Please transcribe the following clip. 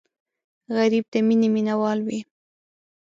غریب د مینې مینهوال وي